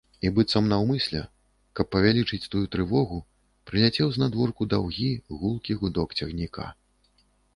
І быццам наўмысля, каб павялічыць тую трывогу, прыляцеў знадворку даўгі, гулкі гудок цягніка.